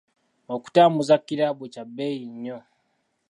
Okutambuza kiraabu kya bbeeyi nnyo.